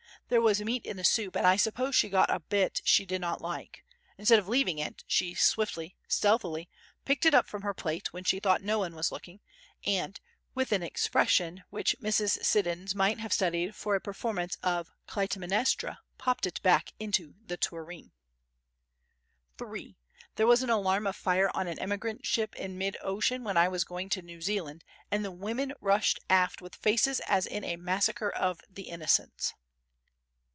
There was meat in the soup and I suppose she got a bit she did not like; instead of leaving it, she swiftly, stealthily, picked it up from her plate when she thought no one was looking and, with an expression which Mrs. Siddons might have studied for a performance of Clytemnestra, popped it back into the tureen. (3) There was an alarm of fire on an emigrant ship in mid ocean when I was going to New Zealand and the women rushed aft with faces as in a Massacre of the Innocents.